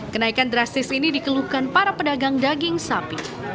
kenaikan drastis ini dikeluhkan para pedagang daging sapi